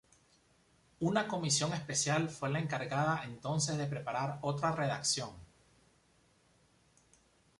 Una comisión especial fue la encargada entonces de preparar otra redacción.